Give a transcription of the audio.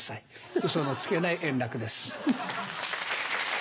ウソのつけない円楽です。